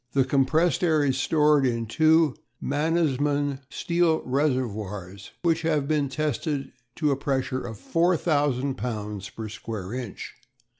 The compressed air is stored in two Mannesmann steel reservoirs which have been tested to a pressure of 4000 lbs. per square inch.